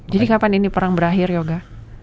jadi kapan ini perang berakhir yoga